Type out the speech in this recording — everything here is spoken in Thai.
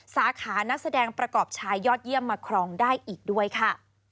สาขานักแสดงประกอบชายยอดเยี่ยมมาครองได้อีกด้วยค่ะ